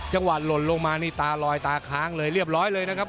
เป็นความเปรี้ยงเต็มเลยนะครับ